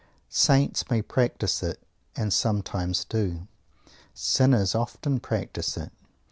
Saints may practise it, and sometimes do. Sinners often practise it.